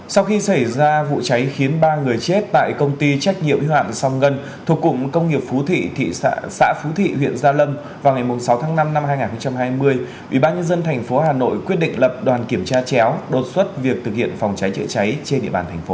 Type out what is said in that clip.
sau khi xảy ra vụ cháy khiến ba người chết tại công ty trách nhiệm y hoạn song ngân thuộc cụm công nghiệp phú thị xã phú thị huyện gia lâm vào ngày sáu tháng năm năm hai nghìn hai mươi ubnd tp hà nội quyết định lập đoàn kiểm tra chéo đột xuất việc thực hiện phòng cháy chữa cháy trên địa bàn thành phố